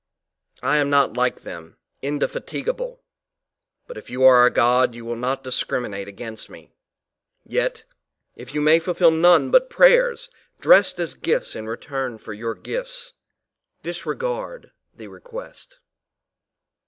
I am not like them, indefatigable, but if you are a god you will not discriminate against me. Yet if you may fulfil none but prayers dressed as gifts in return for your gifts disregard the request.